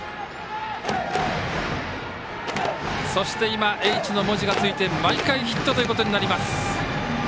そして、「Ｈ」の文字がついて毎回ヒットということになります。